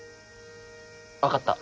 わかった。